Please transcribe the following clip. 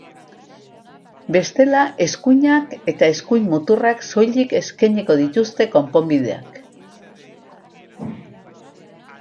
Bestela eskuinak, eta eskuin muturrak soilik eskainiko dituzte konponbideak.